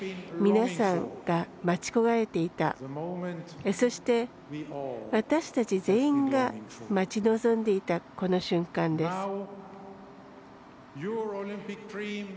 皆さんが待ち焦がれていたそして、私たち全員が待ち望んでいたこの瞬間です。